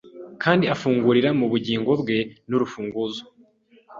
Kandi afungira mu bugingo bwe nurufunguzo